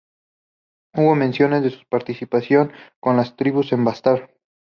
Hubo menciones de su participación con las tribus en Bastar.